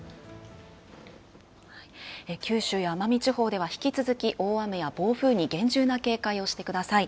九州や奄美地方では引き続き大雨や暴風に厳重な警戒をしてください。